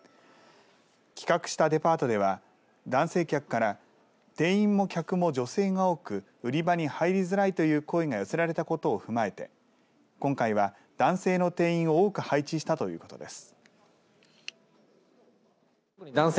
企画したデパートでは男性客から店員も客も女性が多く売り場に入りづらいという声が寄せられたことを踏まえて今回は男性の店員を多く配置したということです。